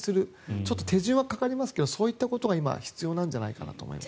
ちょっと手順はかかりますけどそういったことが今は必要なんじゃないかと思います。